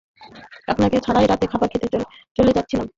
তোমাকে ছাড়াই রাতের খাবার খেতে চলে যাচ্ছিলাম।